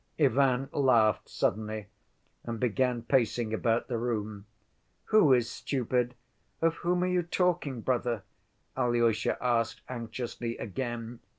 Ivan laughed suddenly and began pacing about the room. "Who is stupid? Of whom are you talking, brother?" Alyosha asked anxiously again.